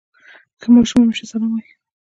ښه ماشوم همېشه سلام وايي.